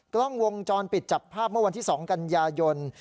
กล้องวงจรปิดจับภาพเมื่อวันที่๒กันยายน